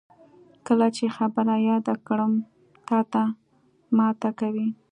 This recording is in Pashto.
کله چې خبره یاده کړم، تاته ماته کوي.